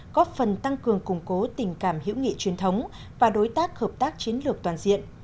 góp phần tăng cường củng cố tình cảm hữu nghị truyền thống và đối tác hợp tác chiến lược toàn diện